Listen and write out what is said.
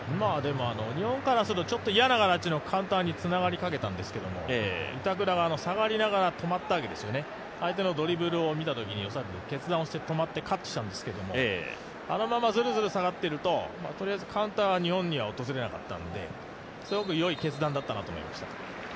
日本からすると、ちょっと嫌な形でのカウンターにつながりかけたんですけども板倉が下がりながら止まったわけですよね、相手のドリブルを見たときに恐らく決断をして勝ったんですけど、あのままずるずる下がっているととりあえずカウンターは日本には訪れなかったのですごくよい決断だったなと思いました。